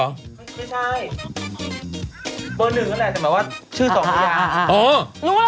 ไม่ใช่เบอร์หนึ่งก็แหละแต่หมายว่าชื่อสองพระยาง